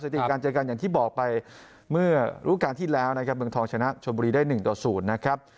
ติการเจอกันอย่างที่บอกไปเมื่อรูปการณ์ที่แล้วนะครับเมืองทองชนะชนบุรีได้๑ต่อ๐นะครับ